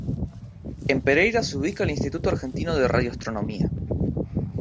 En Pereyra se ubica el Instituto Argentino de Radioastronomía.